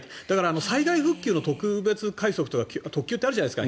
災害復旧の特別快速とか特急ってあるじゃないですか。